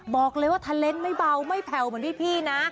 บอกเลยว่าเทลนต์ไม่เบาไม่แผลวแม่งพี่นะ